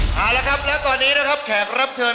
เอาละครับแล้วตอนนี้นะครับ